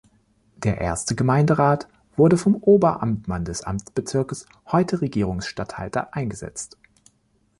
Der erste Gemeinderat wurde vom Oberamtmann des Amtsbezirkes, heute Regierungsstatthalter, eingesetzt.